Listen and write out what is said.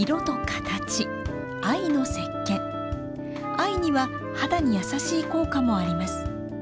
藍には肌に優しい効果もあります。